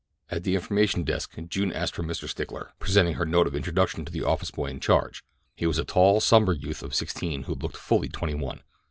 At the information desk June asked for Mr. Stickler, presenting her note of introduction to the office boy in charge. He was a tall, somber youth of sixteen who looked fully twenty one.